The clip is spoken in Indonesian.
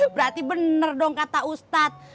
berarti benar dong kata ustadz